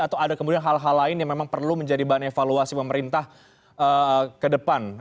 atau ada kemudian hal hal lain yang memang perlu menjadi bahan evaluasi pemerintah ke depan